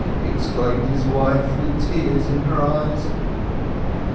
exclaimed his wife with tears in her eyes.